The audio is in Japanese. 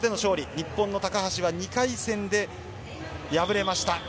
日本の高橋は２回戦で敗れました。